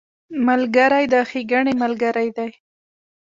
ملګری د ښېګڼې ملګری دی